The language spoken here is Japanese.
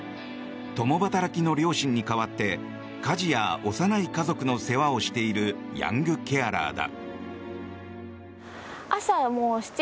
共働きの両親に代わって家事や幼い家族の世話をしているヤングケアラーだ。